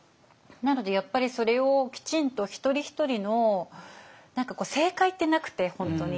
なのでやっぱりそれをきちんと一人一人の正解ってなくて本当に。